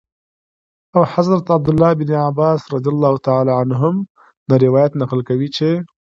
او حضرت عبدالله بن عباس رضي الله تعالى عنهم نه روايت نقل كوي چې :